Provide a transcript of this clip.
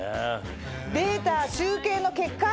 データ集計の結果